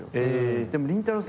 でもりんたろー。